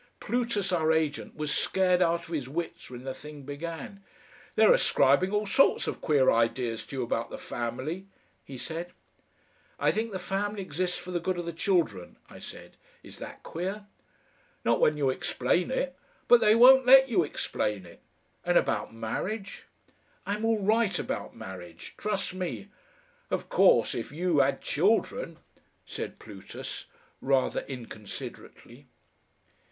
Plutus, our agent, was scared out of his wits when the thing began. "They're ascribing all sorts of queer ideas to you about the Family," he said. "I think the Family exists for the good of the children," I said; "is that queer?" "Not when you explain it but they won't let you explain it. And about marriage ?" "I'm all right about marriage trust me." "Of course, if YOU had children," said Plutus, rather inconsiderately....